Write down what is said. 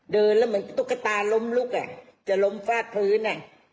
เดินแล้วเหมือนตุ๊กตาล้มลุกจะล้มฟาดพื้น